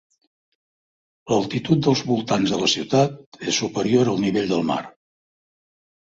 L'altitud dels voltants de la ciutat és superior al nivell del mar.